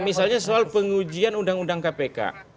misalnya soal pengujian undang undang kpk